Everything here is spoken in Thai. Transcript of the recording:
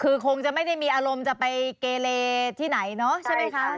คือคงจะไม่ได้มีอารมณ์จะไปเกเลที่ไหนเนาะใช่ไหมคะ